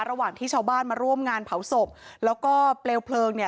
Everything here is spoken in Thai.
ระหว่างที่ชาวบ้านมาร่วมงานเผาศพแล้วก็เปลวเพลิงเนี่ย